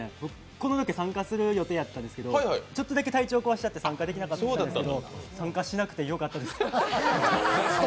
このロケ参加する予定やったんですけど、ちょっとだけ体調壊しちゃって参加しなかったんですけど参加しなくてよかったです。